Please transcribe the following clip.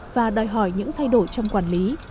và đòi hỏi những thay đổi trong quản lý